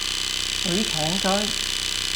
水廠街